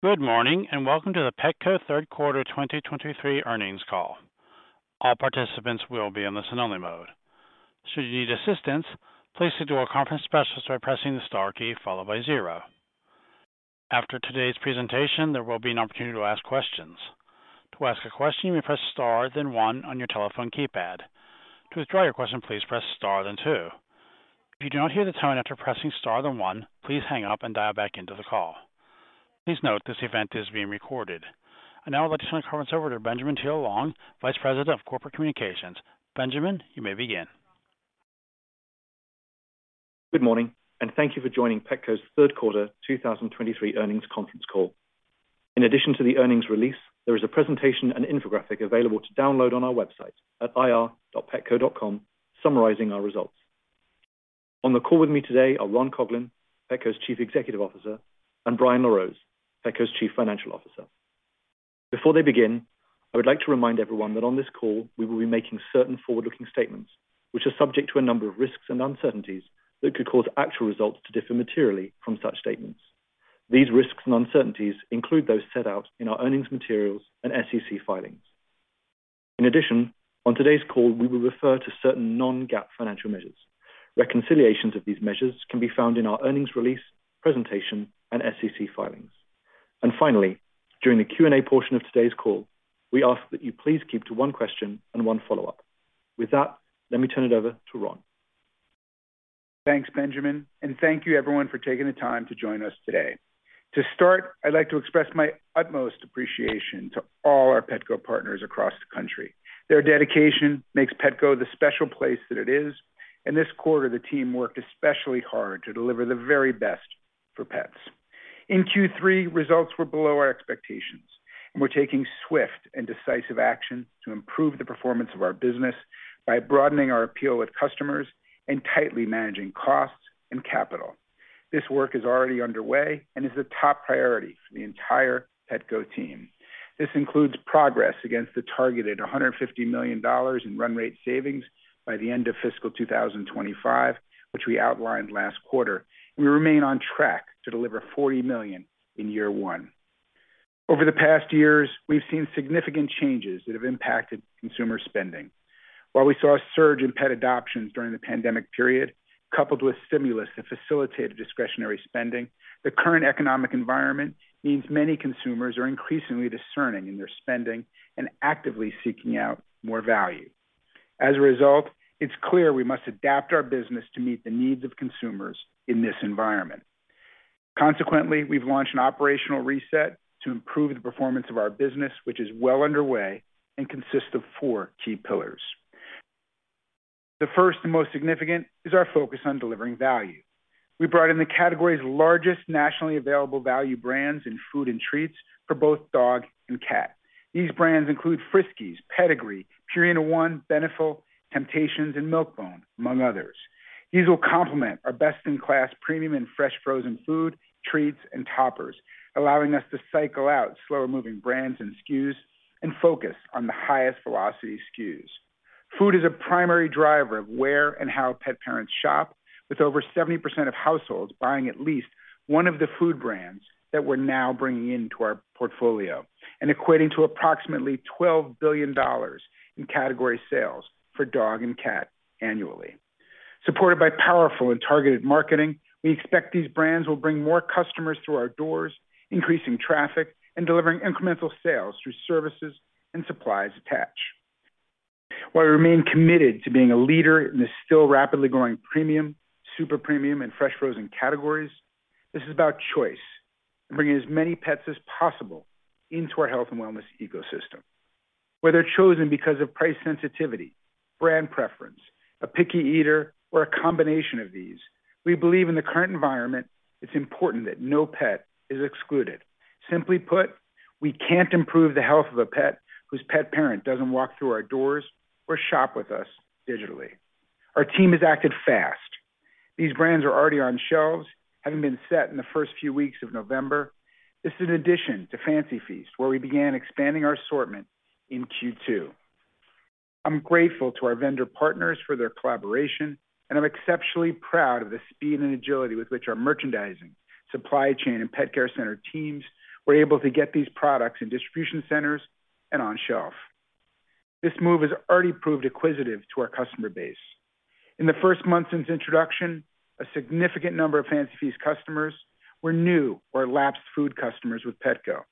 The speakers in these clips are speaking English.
Good morning, and welcome to the Petco Q3 2023 Earnings Call. All participants will be in listen only mode. Should you need assistance, please speak to our conference specialist by pressing the star key followed by zero. After today's presentation, there will be an opportunity to ask questions. To ask a question, you may press star, then one on your telephone keypad. To withdraw your question, please press star, then two. If you do not hear the tone after pressing star, then one, please hang up and dial back into the call. Please note, this event is being recorded. I now would like to turn the conference over to Benjamin Thiele-Long, Vice President of Corporate Communications. Benjamin, you may begin. Good morning, and thank you for joining Petco's Q3 2023 Earnings Conference Call. In addition to the earnings release, there is a presentation and infographic available to download on our website at ir.petco.com, summarizing our results. On the call with me today are Ron Coughlin, Petco's Chief Executive Officer, and Brian LaRose, Petco's Chief Financial Officer. Before they begin, I would like to remind everyone that on this call, we will be making certain forward-looking statements, which are subject to a number of risks and uncertainties that could cause actual results to differ materially from such statements. These risks and uncertainties include those set out in our earnings materials and SEC filings. In addition, on today's call, we will refer to certain non-GAAP financial measures. Reconciliations of these measures can be found in our earnings release, presentation, and SEC filings. Finally, during the Q&A portion of today's call, we ask that you please keep to one question and one follow-up. With that, let me turn it over to Ron. Thanks, Benjamin, and thank you everyone for taking the time to join us today. To start, I'd like to express my utmost appreciation to all our Petco partners across the country. Their dedication makes Petco the special place that it is, and this quarter, the team worked especially hard to deliver the very best for pets. In Q3, results were below our expectations, and we're taking swift and decisive action to improve the performance of our business by broadening our appeal with customers and tightly managing costs and capital. This work is already underway and is a top priority for the entire Petco team. This includes progress against the targeted $150 million in run rate savings by the end of fiscal 2025, which we outlined last quarter. We remain on track to deliver $40 million in year one. Over the past years, we've seen significant changes that have impacted consumer spending. While we saw a surge in pet adoptions during the pandemic period, coupled with stimulus that facilitated discretionary spending, the current economic environment means many consumers are increasingly discerning in their spending and actively seeking out more value. As a result, it's clear we must adapt our business to meet the needs of consumers in this environment. Consequently, we've launched an operational reset to improve the performance of our business, which is well underway and consists of four key pillars. The first and most significant is our focus on delivering value. We brought in the category's largest nationally available value brands in food and treats for both dog and cat. These brands include Friskies, Pedigree, Purina ONE, Beneful, Temptations, and Milk-Bone, among others. These will complement our best-in-class premium and fresh frozen food, treats, and toppers, allowing us to cycle out slower-moving brands and SKUs and focus on the highest velocity SKUs. Food is a primary driver of where and how pet parents shop, with over 70% of households buying at least one of the food brands that we're now bringing into our portfolio and equating to approximately $12 billion in category sales for dog and cat annually. Supported by powerful and targeted marketing, we expect these brands will bring more customers through our doors, increasing traffic and delivering incremental sales through services and supplies attached. While we remain committed to being a leader in this still rapidly growing premium, super premium, and fresh frozen categories, this is about choice and bringing as many pets as possible into our health and wellness ecosystem. Whether chosen because of price sensitivity, brand preference, a picky eater, or a combination of these, we believe in the current environment, it's important that no pet is excluded. Simply put, we can't improve the health of a pet whose pet parent doesn't walk through our doors or shop with us digitally. Our team has acted fast. These brands are already on shelves, having been set in the first few weeks of November. This is in addition to Fancy Feast, where we began expanding our assortment in Q2. I'm grateful to our vendor partners for their collaboration, and I'm exceptionally proud of the speed and agility with which our merchandising, supply chain, and Pet Care Center teams were able to get these products in distribution centers and on shelf. This move has already proved attractive to our customer base. In the first month since introduction, a significant number of Fancy Feast customers were new or lapsed food customers with Petco.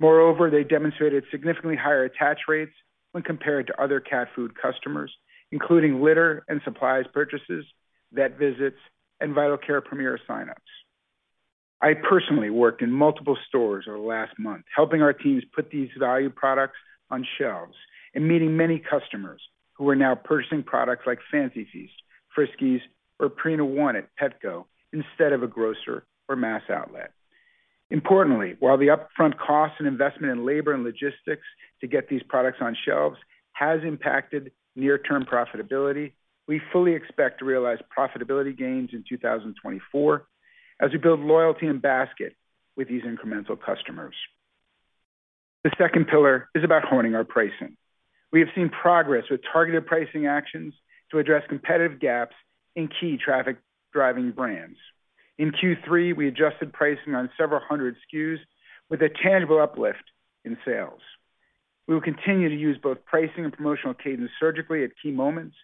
Moreover, they demonstrated significantly higher attach rates when compared to other cat food customers, including litter and supplies purchases, vet visits, and Vital Care Premier signups. I personally worked in multiple stores over the last month, helping our teams put these value products on shelves and meeting many customers who are now purchasing products like Fancy Feast, Friskies, or Purina ONE at Petco instead of a grocer or mass outlet. Importantly, while the upfront cost and investment in labor and logistics to get these products on shelves has impacted near-term profitability, we fully expect to realize profitability gains in 2024 as we build loyalty and basket with these incremental customers. The second pillar is about honing our pricing. We have seen progress with targeted pricing actions to address competitive gaps in key traffic-driving brands. In Q3, we adjusted pricing on several hundred SKUs with a tangible uplift in sales. We will continue to use both pricing and promotional cadence surgically at key moments,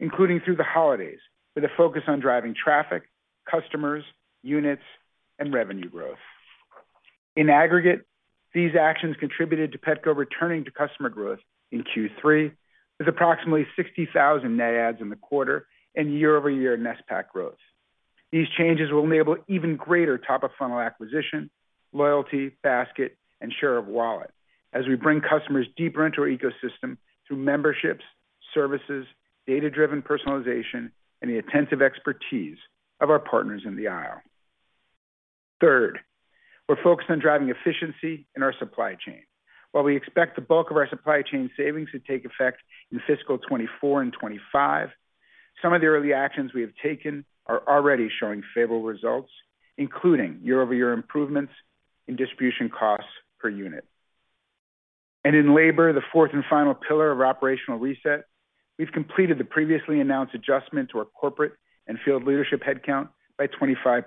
including through the holidays, with a focus on driving traffic, customers, units, and revenue growth. In aggregate, these actions contributed to Petco returning to customer growth in Q3, with approximately 60,000 net adds in the quarter and year-over-year net pack growth. These changes will enable even greater top-of-funnel acquisition, loyalty, basket, and share of wallet as we bring customers deeper into our ecosystem through memberships, services, data-driven personalization, and the attentive expertise of our partners in the aisle. Third, we're focused on driving efficiency in our supply chain. While we expect the bulk of our supply chain savings to take effect in fiscal 2024 and 2025, some of the early actions we have taken are already showing favorable results, including year-over-year improvements in distribution costs per unit. In labor, the fourth and final pillar of our operational reset, we've completed the previously announced adjustment to our corporate and field leadership headcount by 25%,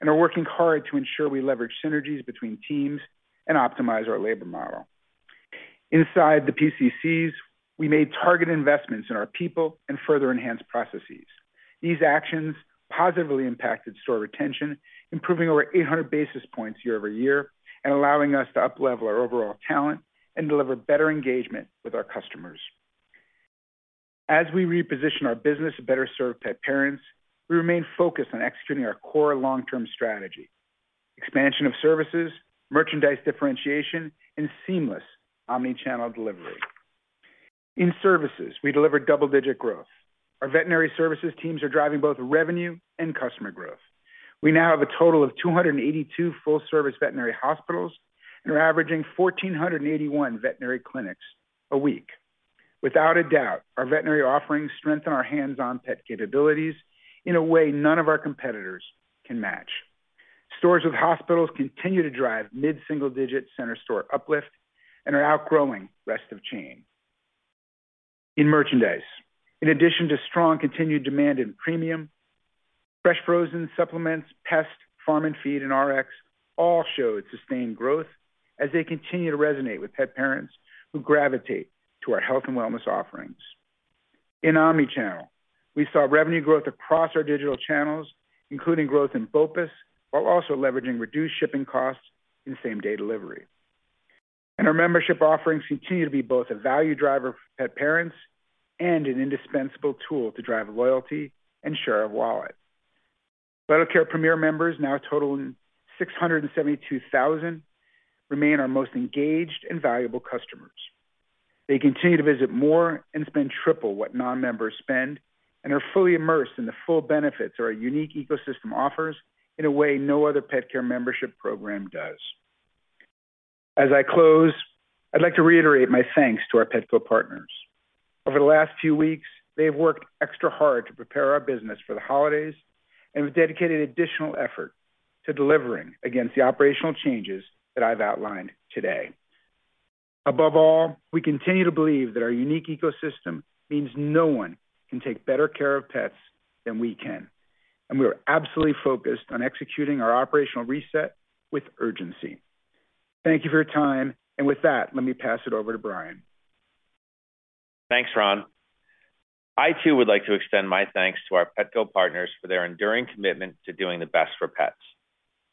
and are working hard to ensure we leverage synergies between teams and optimize our labor model. Inside the PCCs, we made target investments in our people and further enhanced processes. These actions positively impacted store retention, improving over 800 basis points year-over-year, and allowing us to uplevel our overall talent and deliver better engagement with our customers. As we reposition our business to better serve pet parents, we remain focused on executing our core long-term strategy: expansion of services, merchandise differentiation, and seamless omnichannel delivery. In services, we delivered double-digit growth. Our veterinary services teams are driving both revenue and customer growth. We now have a total of 282 full-service veterinary hospitals, and we're averaging 1,481 veterinary clinics a week. Without a doubt, our veterinary offerings strengthen our hands-on pet capabilities in a way none of our competitors can match. Stores with hospitals continue to drive mid-single-digit center store uplift and are outgrowing rest of chain. In merchandise, in addition to strong continued demand in premium, fresh, frozen supplements, pest, Farm and Feed, and Rx all showed sustained growth as they continue to resonate with pet parents who gravitate to our health and wellness offerings. In Omnichannel, we saw revenue growth across our digital channels, including growth in BOPUS, while also leveraging reduced shipping costs in same-day delivery. Our membership offerings continue to be both a value driver for pet parents and an indispensable tool to drive loyalty and share of wallet. Vital Care Premier members, now totaling 672,000, remain our most engaged and valuable customers. They continue to visit more and spend triple what non-members spend and are fully immersed in the full benefits our unique ecosystem offers in a way no other pet care membership program does. As I close, I'd like to reiterate my thanks to our Petco partners. Over the last few weeks, they have worked extra hard to prepare our business for the holidays and have dedicated additional effort to delivering against the operational changes that I've outlined today. Above all, we continue to believe that our unique ecosystem means no one can take better care of pets than we can, and we are absolutely focused on executing our operational reset with urgency. Thank you for your time, and with that, let me pass it over to Brian. Thanks, Ron. I, too, would like to extend my thanks to our Petco partners for their enduring commitment to doing the best for pets.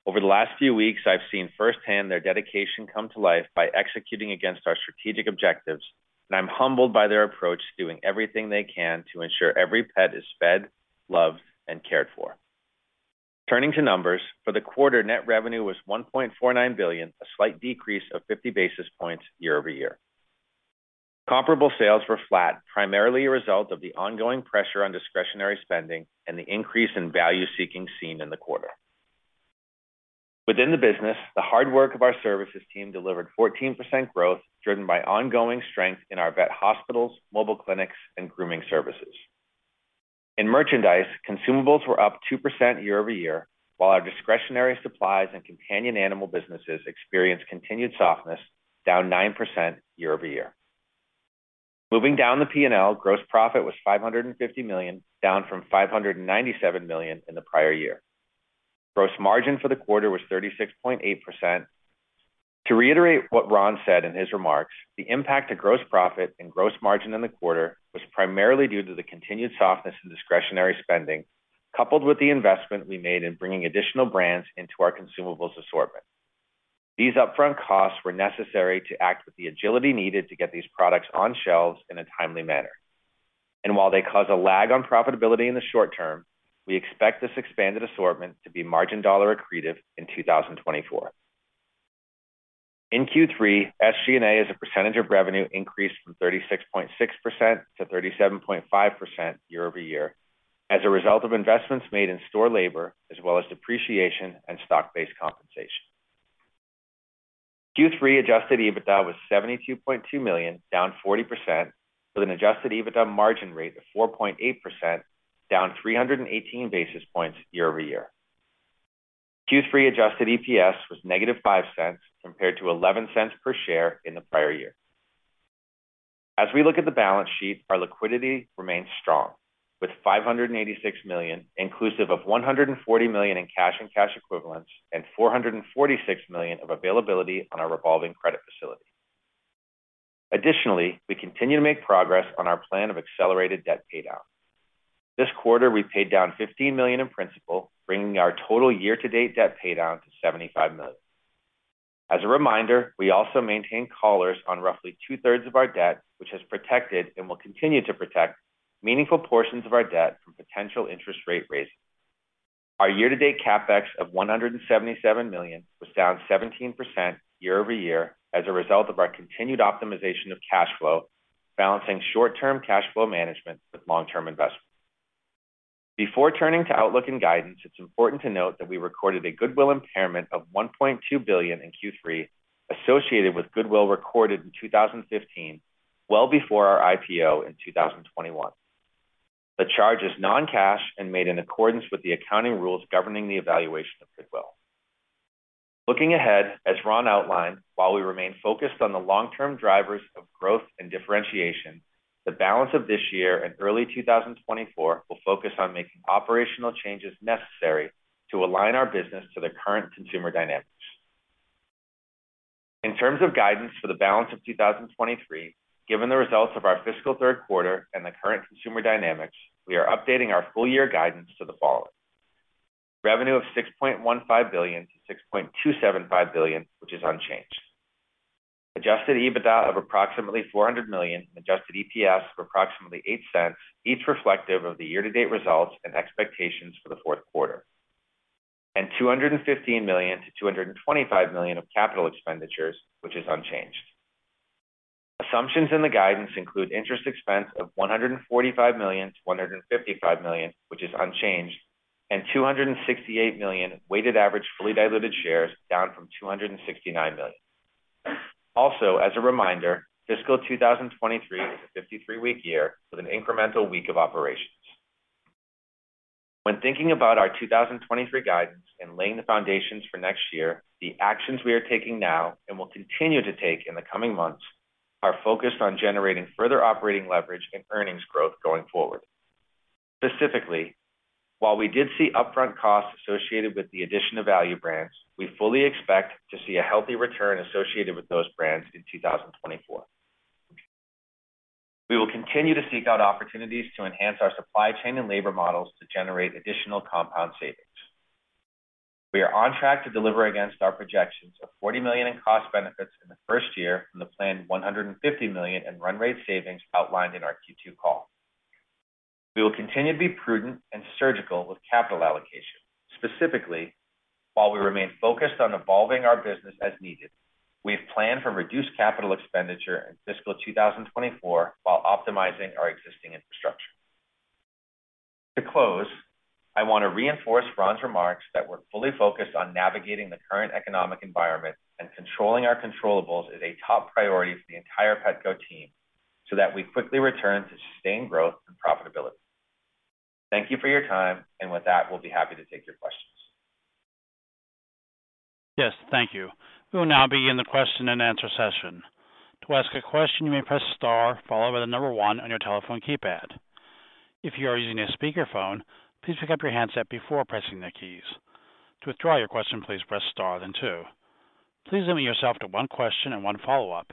Over the last few weeks, I've seen firsthand their dedication come to life by executing against our strategic objectives, and I'm humbled by their approach to doing everything they can to ensure every pet is fed, loved, and cared for. Turning to numbers, for the quarter, net revenue was $1.49 billion, a slight decrease of 50 basis points year-over-year. Comparable sales were flat, primarily a result of the ongoing pressure on discretionary spending and the increase in value-seeking seen in the quarter. Within the business, the hard work of our services team delivered 14% growth, driven by ongoing strength in our vet hospitals, mobile clinics, and grooming services. In merchandise, consumables were up 2% year-over-year, while our discretionary supplies and companion animal businesses experienced continued softness, down 9% year-over-year. Moving down the P&L, gross profit was $550 million, down from $597 million in the prior year. Gross margin for the quarter was 36.8%. To reiterate what Ron said in his remarks, the impact to gross profit and gross margin in the quarter was primarily due to the continued softness in discretionary spending, coupled with the investment we made in bringing additional brands into our consumables assortment. These upfront costs were necessary to act with the agility needed to get these products on shelves in a timely manner. And while they cause a lag on profitability in the short term, we expect this expanded assortment to be margin dollar accretive in 2024. In Q3, SG&A, as a percentage of revenue, increased from 36.6% to 37.5% year-over-year as a result of investments made in store labor, as well as depreciation and stock-based compensation. Q3 adjusted EBITDA was $72.2 million, down 40%, with an adjusted EBITDA margin rate of 4.8%, down 318 basis points year-over-year. Q3 adjusted EPS was -$0.05 compared to $0.11 per share in the prior year. As we look at the balance sheet, our liquidity remains strong, with $586 million, inclusive of $140 million in cash and cash equivalents and $446 million of availability on our revolving credit facility. Additionally, we continue to make progress on our plan of accelerated debt paydown. This quarter, we paid down $15 million in principal, bringing our total year-to-date debt paydown to $75 million. As a reminder, we also maintain collars on roughly two-thirds of our debt, which has protected and will continue to protect meaningful portions of our debt from potential interest rate raises. Our year-to-date CapEx of $177 million was down 17% year-over-year as a result of our continued optimization of cash flow, balancing short-term cash flow management with long-term investments. Before turning to outlook and guidance, it's important to note that we recorded a goodwill impairment of $1.2 billion in Q3, associated with goodwill recorded in 2015, well before our IPO in 2021. The charge is non-cash and made in accordance with the accounting rules governing the evaluation of goodwill. Looking ahead, as Ron outlined, while we remain focused on the long-term drivers of growth and differentiation, the balance of this year and early 2024 will focus on making operational changes necessary to align our business to the current consumer dynamics. In terms of guidance for the balance of 2023, given the results of our fiscal Q3 and the current consumer dynamics, we are updating our full year guidance to the following: Revenue of $6.15 billion to $6.275 billion, which is unchanged. Adjusted EBITDA of approximately $400 million and adjusted EPS of approximately $0.08, each reflective of the year-to-date results and expectations for the Q4. $215 million to $225 million of capital expenditures, which is unchanged. Assumptions in the guidance include interest expense of $145 million to $155 million, which is unchanged, and $268 million weighted average fully diluted shares, down from $269 million. Also, as a reminder, fiscal 2023 is a 53-week year with an incremental week of operations. When thinking about our 2023 guidance and laying the foundations for next year, the actions we are taking now and will continue to take in the coming months, are focused on generating further operating leverage and earnings growth going forward. Specifically, while we did see upfront costs associated with the addition of value brands, we fully expect to see a healthy return associated with those brands in 2024. We will continue to seek out opportunities to enhance our supply chain and labor models to generate additional compound savings. We are on track to deliver against our projections of $40 million in cost benefits in the first year from the planned $150 million in run rate savings outlined in our Q2 call. We will continue to be prudent and surgical with capital allocation. Specifically, while we remain focused on evolving our business as needed, we have planned for reduced capital expenditure in fiscal 2024 while optimizing our existing infrastructure. To close, I want to reinforce Ron's remarks that we're fully focused on navigating the current economic environment, and controlling our controllables is a top priority for the entire Petco team, so that we quickly return to sustained growth and profitability. Thank you for your time, and with that, we'll be happy to take your questions. Yes, thank you. We will now begin the question and answer session. To ask a question, you may press star followed by the number one on your telephone keypad. If you are using a speakerphone, please pick up your handset before pressing the keys. To withdraw your question, please press star then two. Please limit yourself to one question and one follow-up.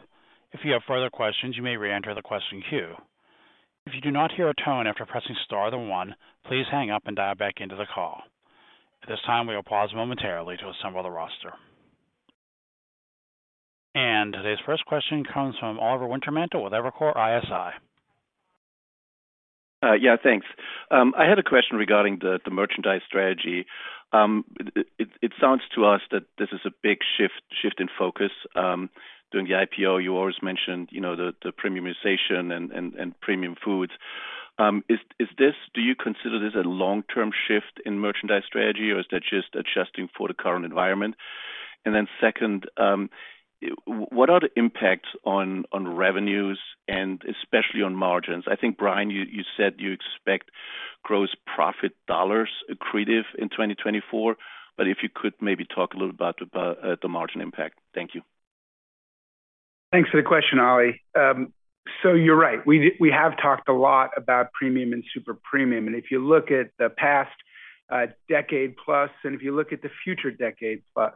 If you have further questions, you may reenter the question queue. If you do not hear a tone after pressing star then one, please hang up and dial back into the call. At this time, we will pause momentarily to assemble the roster. Today's first question comes from Oliver Wintermantel with Evercore ISI. Yeah, thanks. I had a question regarding the merchandise strategy. It sounds to us that this is a big shift in focus. During the IPO, you always mentioned, you know, the premiumization and premium foods. Do you consider this a long-term shift in merchandise strategy, or is that just adjusting for the current environment? And then second, what are the impacts on revenues and especially on margins? I think, Brian, you said you expect gross profit dollars accretive in 2024, but if you could maybe talk a little about the margin impact. Thank you. Thanks for the question, Ollie. So you're right. We have talked a lot about premium and super premium, and if you look at the past decade plus, and if you look at the future decade plus,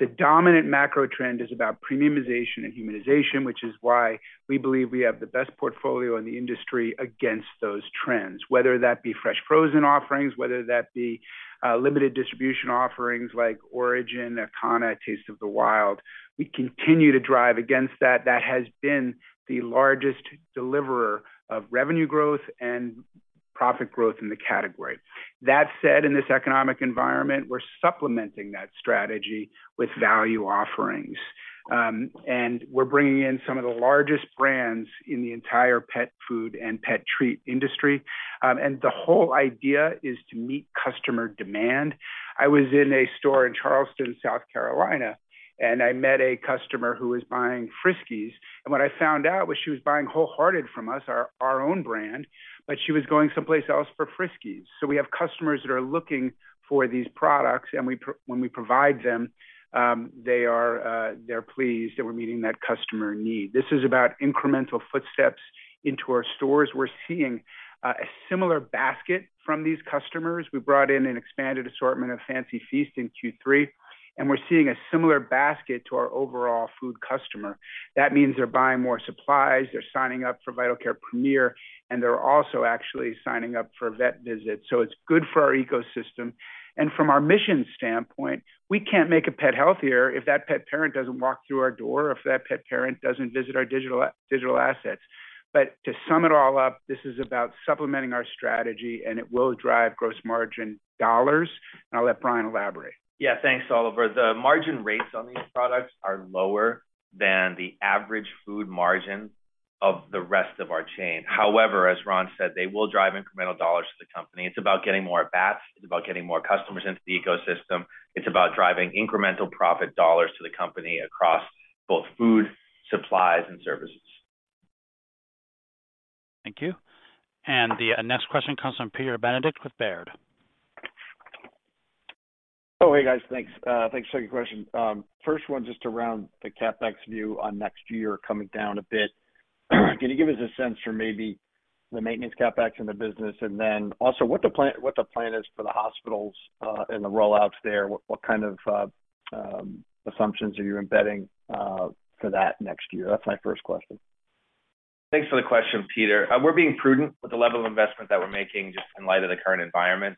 the dominant macro trend is about premiumization and humanization, which is why we believe we have the best portfolio in the industry against those trends. Whether that be fresh frozen offerings, whether that be limited distribution offerings like ORIJEN, ACANA, Taste of the Wild, we continue to drive against that. That has been the largest deliverer of revenue growth and profit growth in the category. That said, in this economic environment, we're supplementing that strategy with value offerings, and we're bringing in some of the largest brands in the entire pet food and pet treat industry. And the whole idea is to meet customer demand. I was in a store in Charleston, South Carolina, and I met a customer who was buying Friskies, and what I found out was she was buying Wholehearted from us, our, our own brand, but she was going someplace else for Friskies. So we have customers that are looking for these products, and when we provide them, they are, they're pleased that we're meeting that customer need. This is about incremental footsteps into our stores. We're seeing a similar basket from these customers. We brought in an expanded assortment of Fancy Feast in Q3, and we're seeing a similar basket to our overall food customer. That means they're buying more supplies, they're signing up for Vital Care Premier, and they're also actually signing up for vet visits. So it's good for our ecosystem. And from our mission standpoint, we can't make a pet healthier if that pet parent doesn't walk through our door, or if that pet parent doesn't visit our digital assets. But to sum it all up, this is about supplementing our strategy, and it will drive gross margin dollars. And I'll let Brian elaborate. Yeah, thanks, Oliver. The margin rates on these products are lower than the average food margin of the rest of our chain. However, as Ron said, they will drive incremental dollars to the company. It's about getting more at bats. It's about getting more customers into the ecosystem. It's about driving incremental profit dollars to the company across both food, supplies, and services. Thank you. The next question comes from Peter Benedict with Baird. Hey, guys. Thanks for taking the question. First one, just around the CapEx view on next year coming down a bit. Can you give us a sense for maybe the maintenance CapEx in the business, and then also what the plan is for the hospitals and the rollouts there? What kind of assumptions are you embedding for that next year? That's my first question. Thanks for the question, Peter. We're being prudent with the level of investment that we're making just in light of the current environment.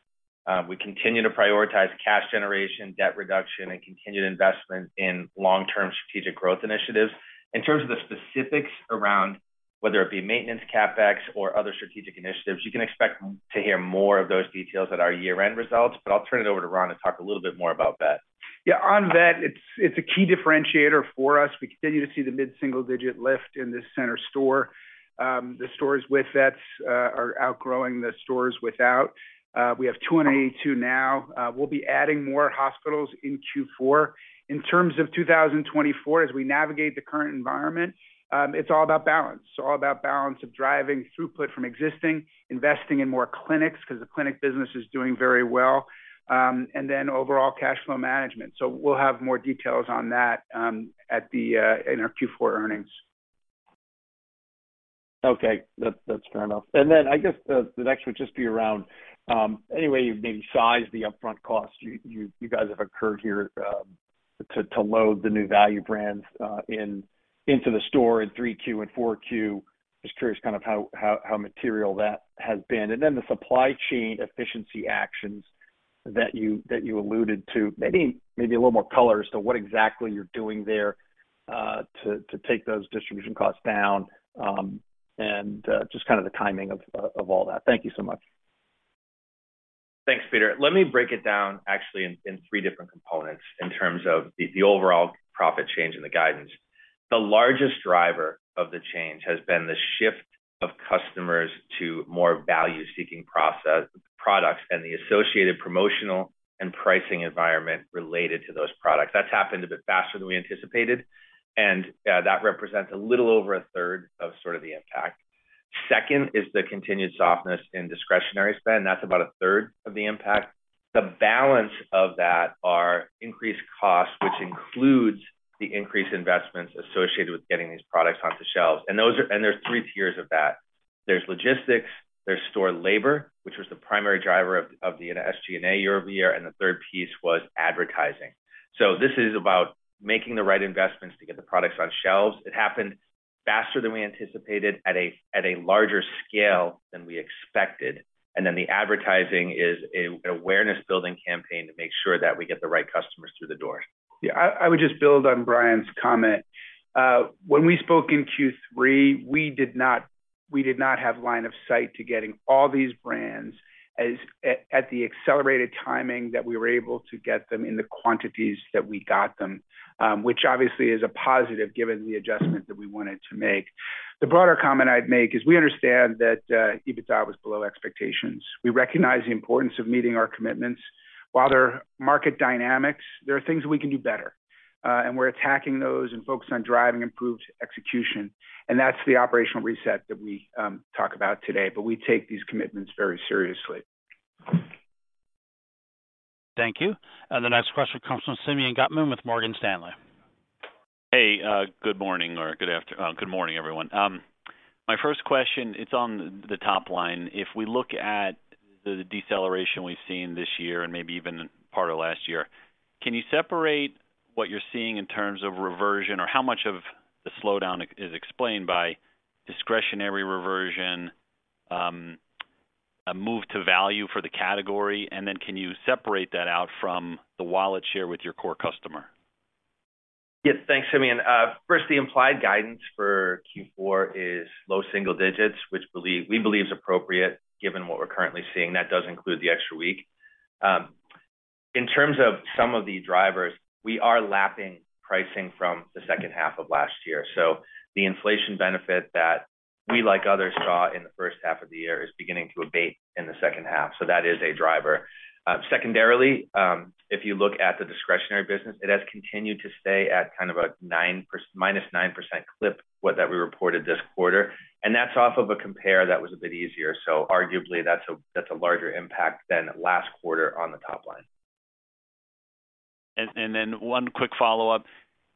We continue to prioritize cash generation, debt reduction, and continued investment in long-term strategic growth initiatives. In terms of the specifics around whether it be maintenance, CapEx, or other strategic initiatives, you can expect to hear more of those details at our year-end results, but I'll turn it over to Ron to talk a little bit more about vet. Yeah, on vet, it's a key differentiator for us. We continue to see the mid-single-digit lift in this center store. The stores with vets are outgrowing the stores without. We have 282 now. We'll be adding more hospitals in Q4. In terms of 2024, as we navigate the current environment, it's all about balance. So all about balance of driving throughput from existing, investing in more clinics, 'cause the clinic business is doing very well, and then overall cash flow management. So we'll have more details on that in our Q4 earnings. Okay, that's fair enough. And then I guess the next would just be around any way you've maybe sized the upfront cost you guys have incurred here to load the new value brands into the store in Q3 and Q4. Just curious kind of how material that has been. And then the supply chain efficiency actions that you alluded to, maybe a little more color as to what exactly you're doing there to take those distribution costs down, and just kind of the timing of all that. Thank you so much. Thanks, Peter. Let me break it down actually in three different components in terms of the overall profit change in the guidance. The largest driver of the change has been the shift of customers to more value-seeking products and the associated promotional and pricing environment related to those products. That's happened a bit faster than we anticipated, and that represents a little over a third of sort of the impact. Second is the continued softness in discretionary spend, that's about a third of the impact. The balance of that are increased costs, which includes the increased investments associated with getting these products onto shelves. And those are three tiers of that. There's logistics, there's store labor, which was the primary driver of the SG&A year-over-year, and the third piece was advertising. This is about making the right investments to get the products on shelves. It happened faster than we anticipated at a larger scale than we expected, and then the advertising is an awareness building campaign to make sure that we get the right customers through the door. Yeah, I would just build on Brian's comment. When we spoke in Q3, we did not have line of sight to getting all these brands at the accelerated timing that we were able to get them in the quantities that we got them, which obviously is a positive given the adjustment that we wanted to make. The broader comment I'd make is we understand that EBITDA was below expectations. We recognize the importance of meeting our commitments. While there are market dynamics, there are things we can do better, and we're attacking those and focused on driving improved execution. And that's the operational reset that we talk about today, but we take these commitments very seriously. Thank you. The next question comes from Simeon Gutman with Morgan Stanley. Hey, good morning, everyone. My first question, it's on the top line. If we look at the deceleration we've seen this year and maybe even part of last year, can you separate what you're seeing in terms of reversion or how much of the slowdown is explained by discretionary reversion, a move to value for the category? And then can you separate that out from the wallet share with your core customer? Yes, thanks, Simeon. First, the implied guidance for Q4 is low single digits, which we believe is appropriate given what we're currently seeing. That does include the extra week. In terms of some of the drivers, we are lapping pricing from the H2 of last year, so the inflation benefit that we, like others, saw in the H1 of the year is beginning to abate in the H2, so that is a driver. Secondarily, if you look at the discretionary business, it has continued to stay at kind of a -9% clip that we reported this quarter, and that's off of a compare that was a bit easier. So arguably, that's a larger impact than last quarter on the top line. And then one quick follow-up.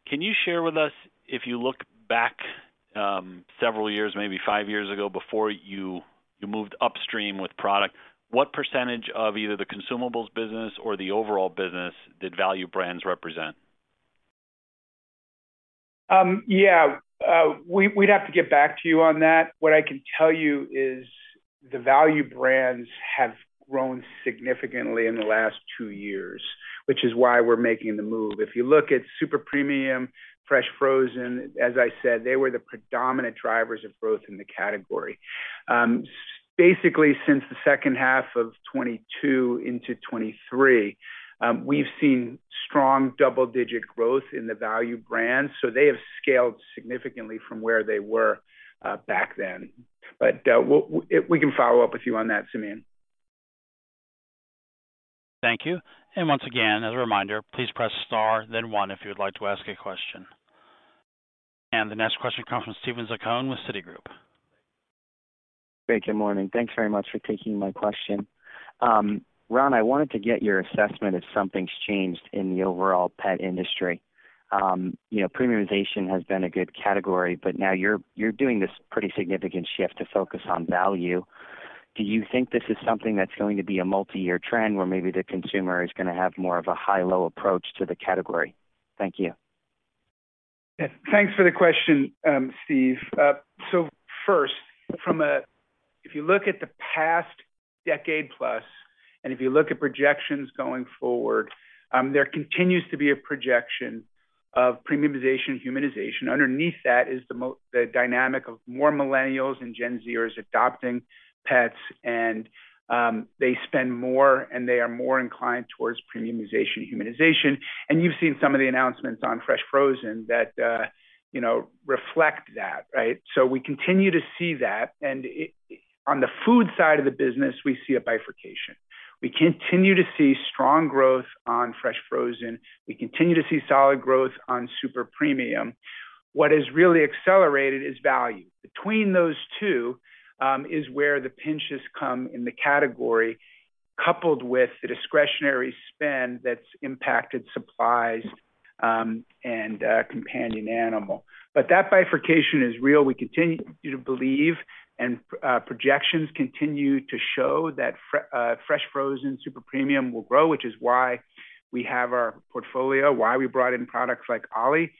Can you share with us, if you look back, several years, maybe five years ago, before you moved upstream with product, what percentage of either the consumables business or the overall business did value brands represent? Yeah. We'd have to get back to you on that. What I can tell you is the value brands have grown significantly in the last two years, which is why we're making the move. If you look at super premium, fresh frozen, as I said, they were the predominant drivers of growth in the category. Basically, since the H2 of 2022 into 2023, we've seen strong double-digit growth in the value brands, so they have scaled significantly from where they were back then. But, we can follow up with you on that, Simeon. Thank you. And once again, as a reminder, please press Star, then One, if you would like to ask a question. And the next question comes from Steven Zaccone with Citigroup. Great, good morning. Thanks very much for taking my question. Ron, I wanted to get your assessment if something's changed in the overall pet industry. You know, premiumization has been a good category, but now you're doing this pretty significant shift to focus on value. Do you think this is something that's going to be a multi-year trend, where maybe the consumer is gonna have more of a high-low approach to the category? Thank you. Thanks for the question, Steve. So first, from a if you look at the past decade plus, and if you look at projections going forward, there continues to be a projection of premiumization, humanization. Underneath that is the dynamic of more Millennials and Gen Zers adopting pets, and they spend more, and they are more inclined towards premiumization, humanization. And you've seen some of the announcements on fresh frozen that, you know, reflect that, right? So we continue to see that. And on the food side of the business, we see a bifurcation. We continue to see strong growth on fresh frozen. We continue to see solid growth on super premium. What is really accelerated is value. Between those two, is where the pinches come in the category, coupled with the discretionary spend that's impacted supplies, and companion animal. But that bifurcation is real. We continue to believe, and projections continue to show that fresh frozen, super premium will grow, which is why we have our portfolio, why we brought in products like Ollie.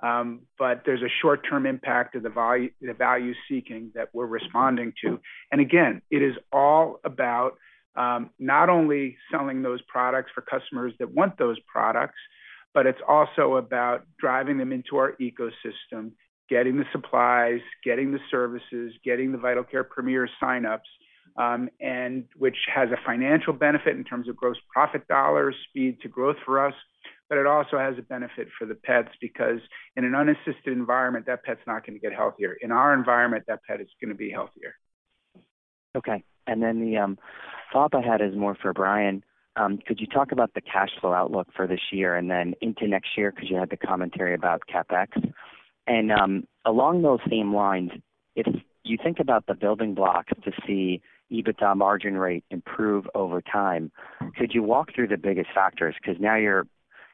But there's a short-term impact of the value, the value seeking that we're responding to. And again, it is all about not only selling those products for customers that want those products, but it's also about driving them into our ecosystem, getting the supplies, getting the services, getting the Vital Care Premier sign-ups, and which has a financial benefit in terms of gross profit dollars, speed to growth for us. But it also has a benefit for the pets, because in an unassisted environment, that pet's not going to get healthier. In our environment, that pet is going to be healthier. Okay. And then the thought I had is more for Brian. Could you talk about the cash flow outlook for this year and then into next year, because you had the commentary about CapEx? And along those same lines, if you think about the building blocks to see EBITDA margin rate improve over time, could you walk through the biggest factors? Because now you're,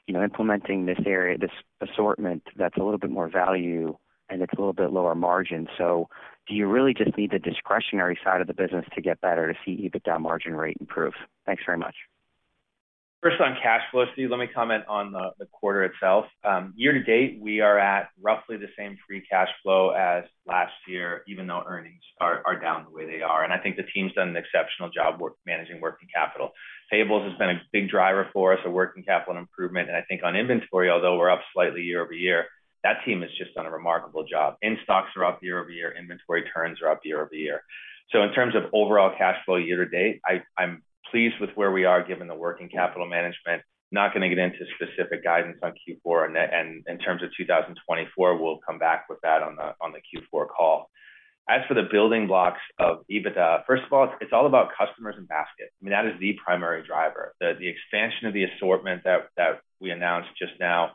you know, implementing this area, this assortment that's a little bit more value and it's a little bit lower margin. So do you really just need the discretionary side of the business to get better to see EBITDA margin rate improve? Thanks very much. First, on cash flow, Steve, let me comment on the quarter itself. Year to date, we are at roughly the same free cash flow as last year, even though earnings are down the way they are. And I think the team's done an exceptional job managing working capital. Payables has been a big driver for us, a working capital improvement. And I think on inventory, although we're up slightly year over year, that team has just done a remarkable job. In-stocks are up year over year, inventory turns are up year over year. So in terms of overall cash flow year to date, I'm pleased with where we are given the working capital management. Not going to get into specific guidance on Q4. And in terms of 2024, we'll come back with that on the Q4 call. As for the building blocks of EBITDA, first of all, it's all about customers and basket. I mean, that is the primary driver. The expansion of the assortment that we announced just now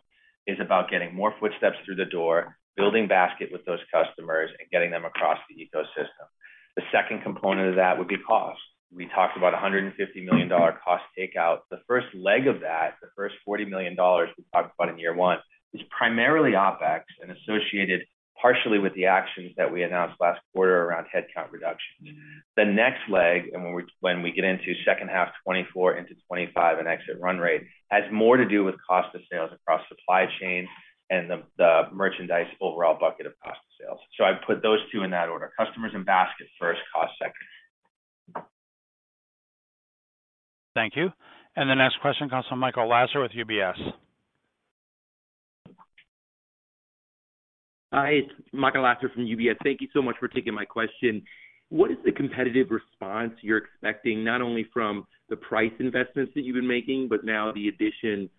is about getting more footsteps through the door, building basket with those customers, and getting them across the ecosystem. The second component of that would be cost. We talked about $150 million cost takeout. The first leg of that, the first $40 million we talked about in year one, is primarily OpEx and associated partially with the actions that we announced last quarter around headcount reductions. The next leg, and when we get into H2 2024 into 2025 and exit run rate, has more to do with cost of sales across supply chain and the merchandise overall bucket of cost of sales. I put those two in that order: customers and basket first, cost second. .hank you. The next question comes from Michael Lasser with UBS. Hi, it's Michael Lasser from UBS. Thank you so much for taking my question. What is the competitive response you're expecting, not only from the price investments that you've been making, but now the addition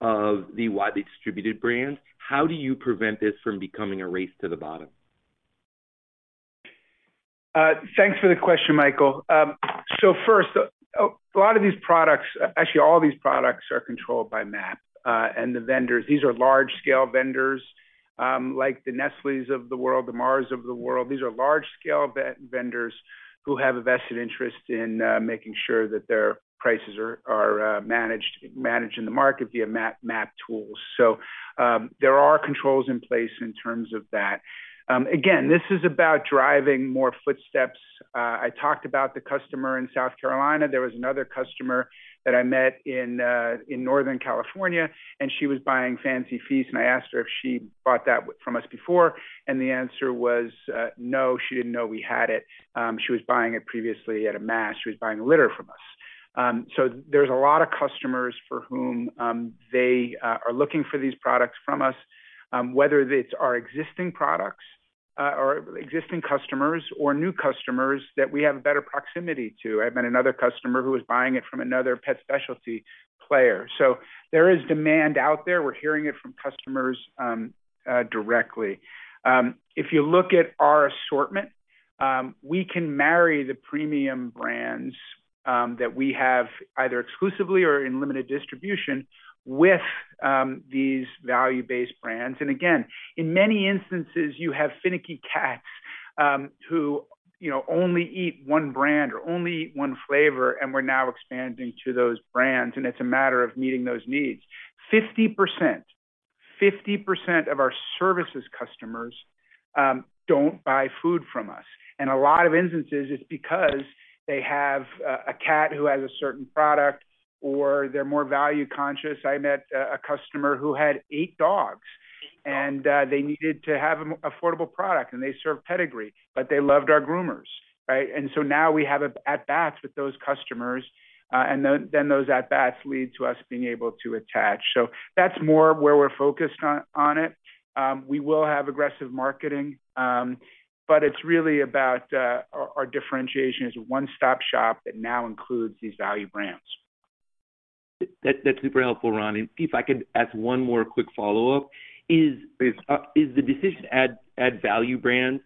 of the widely distributed brands? How do you prevent this from becoming a race to the bottom? Thanks for the question, Michael. So first, a lot of these products, actually, all these products are controlled by MAP, and the vendors. These are large-scale vendors, like the Nestlés of the world, the Mars of the world. These are large-scale vendors who have a vested interest in making sure that their prices are managed in the market via MAP tools. So, there are controls in place in terms of that. Again, this is about driving more footsteps. I talked about the customer in South Carolina. There was another customer that I met in Northern California, and she was buying Fancy Feast, and I asked her if she bought that from us before, and the answer was no, she didn't know we had it. She was buying it previously at a mass. She was buying litter from us. So there's a lot of customers for whom, they, are looking for these products from us, whether it's our existing products, or existing customers or new customers that we have a better proximity to. I met another customer who was buying it from another pet specialty player. So there is demand out there. We're hearing it from customers, directly. If you look at our assortment, we can marry the premium brands, that we have either exclusively or in limited distribution with, these value-based brands. And again, in many instances, you have finicky cats, who, you know, only eat one brand or only eat one flavor, and we're now expanding to those brands, and it's a matter of meeting those needs. 50% of our services customers don't buy food from us, and a lot of instances, it's because they have a cat who has a certain product or they're more value-conscious. I met a customer who had eight dogs, and they needed to have an affordable product, and they served Pedigree, but they loved our groomers, right? And so now we have at bats with those customers, and then, then those at bats lead to us being able to attach. So that's more of where we're focused on, on it. We will have aggressive marketing, but it's really about our, our differentiation as a one-stop shop that now includes these value brands. That super helpful, Ron. And if I could ask one more quick follow-up. Is the decision to add value brands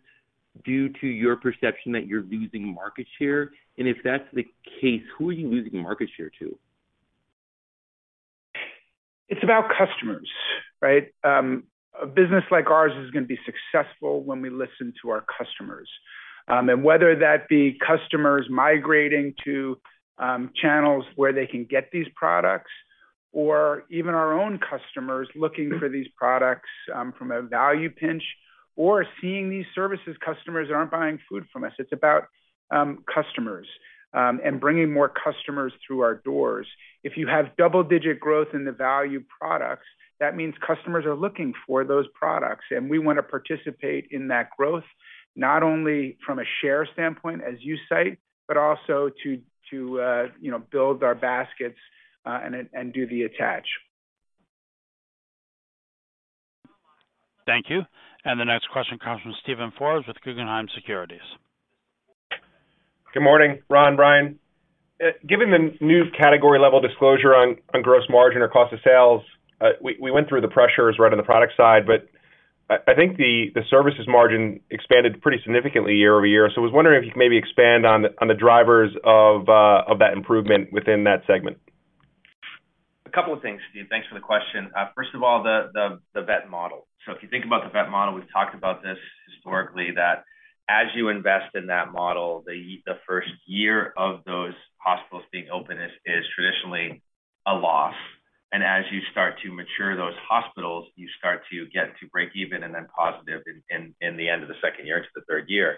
due to your perception that you're losing market share? And if that's the case, who are you losing market share to? It's about customers, right? A business like ours is gonna be successful when we listen to our customers. And whether that be customers migrating to channels where they can get these products, or even our own customers looking for these products from a value pinch, or seeing these services, customers that aren't buying food from us. It's about customers and bringing more customers through our doors. If you have double-digit growth in the value products, that means customers are looking for those products, and we want to participate in that growth, not only from a share standpoint, as you cite, but also to you know, build our baskets and do the attach. Thank you. The next question comes from Steven Forbes with Guggenheim Securities. Good morning, Ron, Brian. Given the new category-level disclosure on gross margin or cost of sales, we went through the pressures right on the product side, but I think the services margin expanded pretty significantly year-over-year. So I was wondering if you could maybe expand on the drivers of that improvement within that segment. A couple of things, Steve. Thanks for the question. First of all, the vet model. So if you think about the vet model, we've talked about this historically, that as you invest in that model, the first year of those hospitals being open is traditionally a loss. And as you start to mature those hospitals, you start to get to breakeven and then positive in the end of the second year into the third year.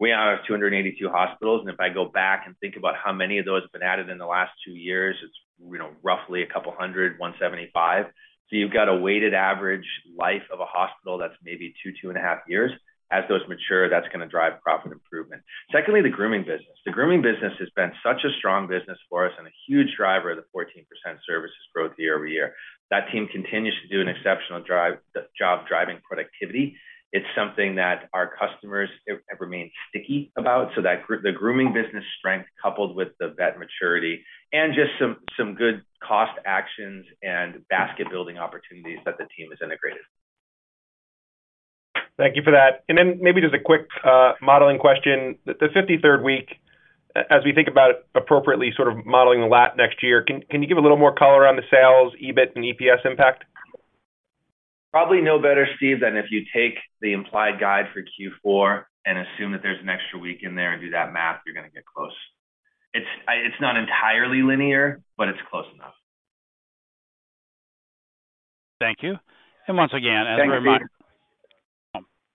We now have 282 hospitals, and if I go back and think about how many of those have been added in the last two years, it's, you know, roughly a couple hundred, 175. So you've got a weighted average life of a hospital that's maybe two, 2.5 years. As those mature, that's gonna drive profit improvement. Secondly, the grooming business. The grooming business has been such a strong business for us and a huge driver of the 14% services growth year-over-year. That team continues to do an exceptional job driving productivity. It's something that our customers have remained sticky about, so that the grooming business strength, coupled with the vet maturity and just some good cost actions and basket-building opportunities that the team has integrated. Thank you for that. Then maybe just a quick modeling question. The 53rd week, as we think about it, appropriately sort of modeling the latter next year, can you give a little more color on the sales, EBIT, and EPS impact? Probably know better, Steve, than if you take the implied guide for Q4 and assume that there's an extra week in there and do that math, you're gonna get close. It's, it's not entirely linear, but it's close enough. Thank you. And once again, as a reminder-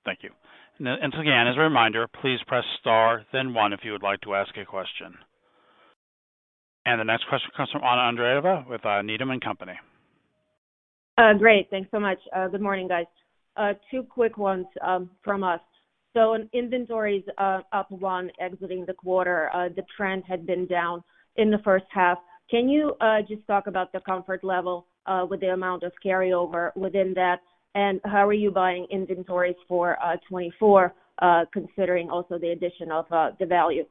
Thank you. Thank you. And once again, as a reminder, please press *, then 1, if you would like to ask a question. And the next question comes from Anna Andreeva with Needham & Company. Great. Thanks so much. Good morning, guys. Two quick ones from us. So in inventories, up one exiting the quarter, the trend had been down in the H1. Can you just talk about the comfort level with the amount of carryover within that? And how are you buying inventories for 2024, considering also the addition of the value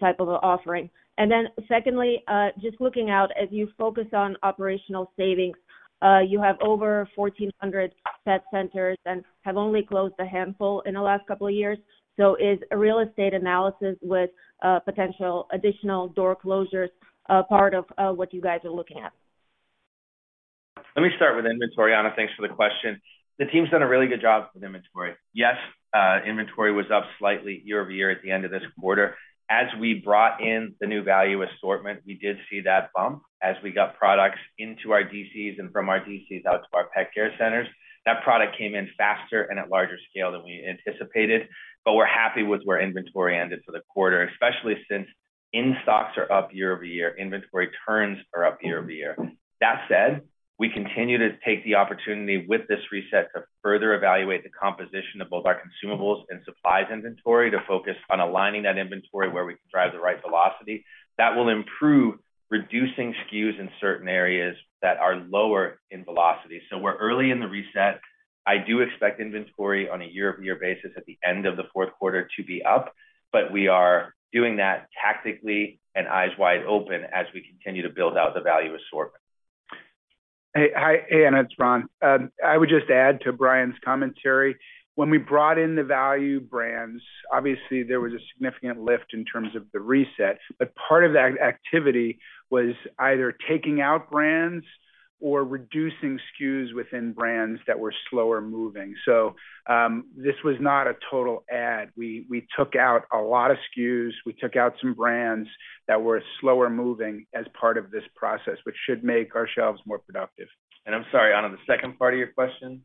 type of offering? And then secondly, just looking out, as you focus on operational savings, you have over 1,400 pet centers and have only closed a handful in the last couple of years. So is a real estate analysis with potential additional door closures part of what you guys are looking at? Let me start with inventory, Anna. Thanks for the question. The team's done a really good job with inventory. Yes, inventory was up slightly year-over-year at the end of this quarter. As we brought in the new value assortment, we did see that bump as we got products into our DCs and from our DCs out to our Pet Care Centers. That product came in faster and at larger scale than we anticipated, but we're happy with where inventory ended for the quarter, especially since in-stocks are up year-over-year, inventory turns are up year-over-year. That said, we continue to take the opportunity with this reset to further evaluate the composition of both our consumables and supplies inventory, to focus on aligning that inventory where we can drive the right velocity. That will improve, reducing SKUs in certain areas that are lower in velocity. So we're early in the reset. I do expect inventory on a year-over-year basis at the end of the Q4 to be up, but we are doing that tactically and eyes wide open as we continue to build out the value assortment. Hey, hi, Anna, it's Ron. I would just add to Brian's commentary. When we brought in the value brands, obviously, there was a significant lift in terms of the reset, but part of that activity was either taking out brands or reducing SKUs within brands that were slower moving. So, this was not a total add. We took out a lot of SKUs. We took out some brands that were slower moving as part of this process, which should make our shelves more productive. I'm sorry, Anna, the second part of your question?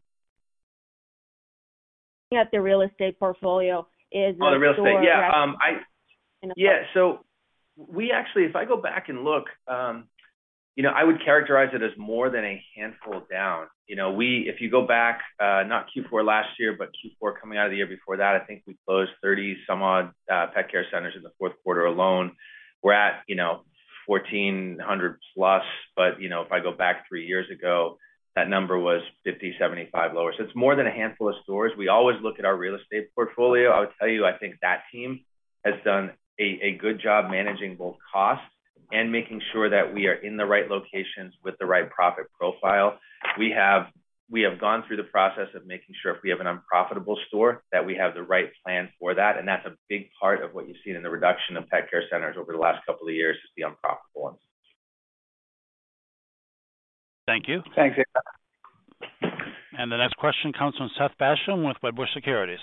At the real estate portfolio, is the- The real estate, yeah, so we actually, if I go back and look, you know, I would characterize it as more than a handful down. You know, we, if you go back, not Q4 last year, but Q4 coming out of the year before that, I think we closed 30-some-odd Pet Care Centers in the Q4 alone. We're at, you know, 1,400+, but, you know, if I go back three years ago, that number was 50 to 75 lower. So it's more than a handful of stores. We always look at our real estate portfolio. I would tell you, I think that team has done a good job managing both costs and making sure that we are in the right locations with the right profit profile. We have gone through the process of making sure if we have an unprofitable store, that we have the right plan for that, and that's a big part of what you've seen in the reduction of Pet Care Centers over the last couple of years, is the unprofitable ones. Thank you. Thanks. The next question comes from Seth Basham with Wedbush Securities.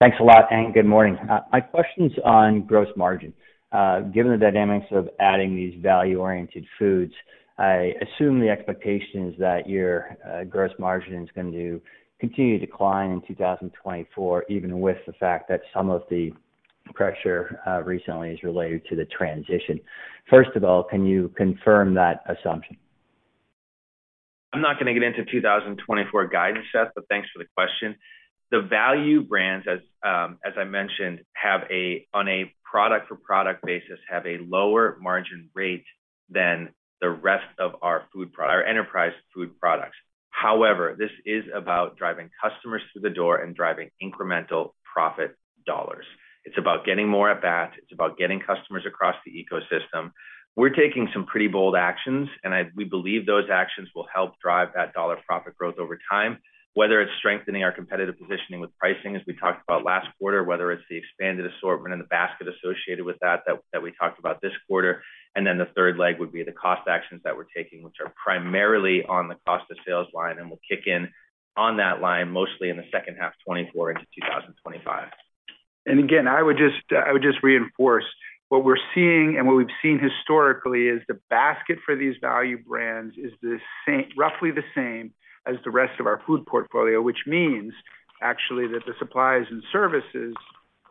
Thanks a lot, and good morning. My question's on gross margin. Given the dynamics of adding these value-oriented foods, I assume the expectation is that your gross margin is going to continue to decline in 2024, even with the fact that some of the pressure recently is related to the transition. First of all, can you confirm that assumption? I'm not going to get into 2024 guidance, Seth, but thanks for the question. The value brands, as I mentioned, have a lower margin rate than the rest of our food product, our enterprise food products on a product-for-product basis. However, this is about driving customers through the door and driving incremental profit dollars. It's about getting more at bat. It's about getting customers across the ecosystem. We're taking some pretty bold actions, and we believe those actions will help drive that dollar profit growth over time, whether it's strengthening our competitive positioning with pricing, as we talked about last quarter, whether it's the expanded assortment and the basket associated with that that we talked about this quarter. Then the third leg would be the cost actions that we're taking, which are primarily on the cost of sales line and will kick in on that line, mostly in the H2 of 2024 into 2025. Again, I would just, I would just reinforce what we're seeing and what we've seen historically is the basket for these value brands is the same, roughly the same, as the rest of our food portfolio, which means, actually, that the supplies and services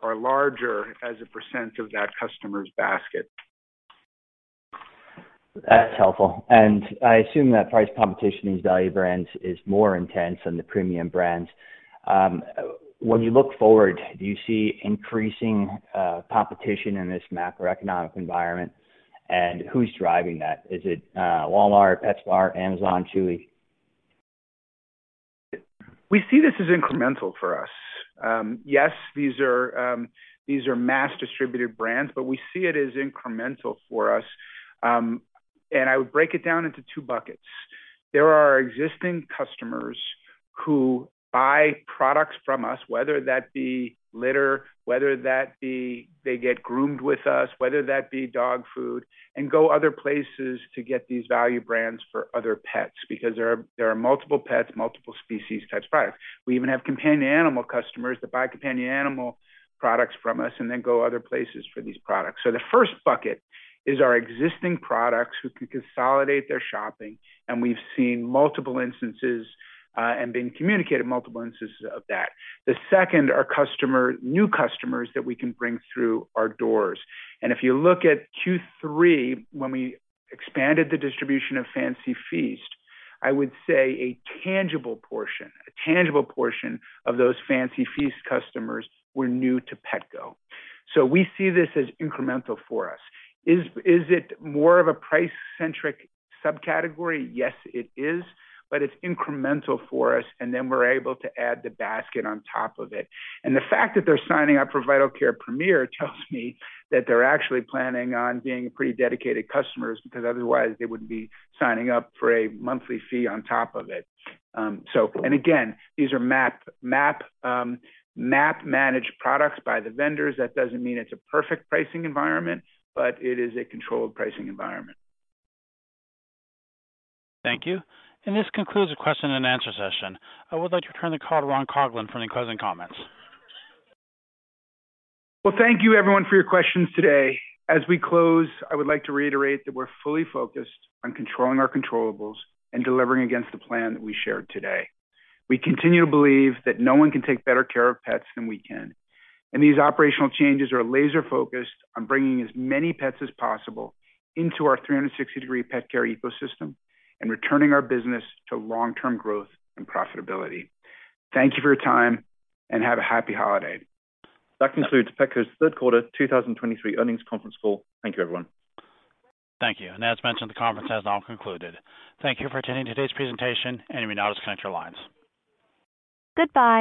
are larger as a percent of that customer's basket. That's helpful. And I assume that price competition in these value brands is more intense than the premium brands. When you look forward, do you see increasing competition in this macroeconomic environment, and who's driving that? Is it Walmart, PetSmart, Amazon, Chewy? We see this as incremental for us. Yes, these are mass distributed brands, but we see it as incremental for us. I would break it down into two buckets. There are existing customers who buy products from us, whether that be litter, whether that be they get groomed with us, whether that be dog food, and go other places to get these value brands for other pets, because there are multiple pets, multiple species types of products. We even have companion animal customers that buy companion animal products from us and then go other places for these products. So the first bucket is our existing products who can consolidate their shopping, and we've seen multiple instances, and been communicated multiple instances of that. The second are customers, new customers that we can bring through our doors. If you look at Q3, when we expanded the distribution of Fancy Feast, I would say a tangible portion, a tangible portion of those Fancy Feast customers were new to Petco. So we see this as incremental for us. Is it more of a price-centric subcategory? Yes, it is, but it's incremental for us, and then we're able to add the basket on top of it. And the fact that they're signing up for Vital Care Premier tells me that they're actually planning on being pretty dedicated customers, because otherwise they wouldn't be signing up for a monthly fee on top of it. And again, these are MAP managed products by the vendors. That doesn't mean it's a perfect pricing environment, but it is a controlled pricing environment. Thank you. This concludes the question and answer session. I would like to turn the call to Ron Coughlin for any closing comments. Well, thank you everyone for your questions today. As we close, I would like to reiterate that we're fully focused on controlling our controllables and delivering against the plan that we shared today. We continue to believe that no one can take better care of pets than we can, and these operational changes are laser-focused on bringing as many pets as possible into our 360-degree pet care ecosystem and returning our business to long-term growth and profitability. Thank you for your time, and have a happy holiday. That concludes Petco's Q3 2023 Earnings Conference Call. Thank you, everyone. Thank you. As mentioned, the conference has now concluded. Thank you for attending today's presentation, and you may now disconnect your lines.